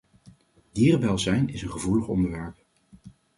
Dierenwelzijn is een gevoelig onderwerp.